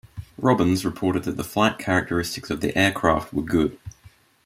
Robbins reported that the flight characteristics of the aircraft were good.